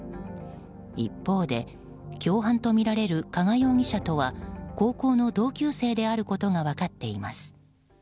一方で、共犯とみられる加賀容疑者とは高校の同級生であることが分かっています。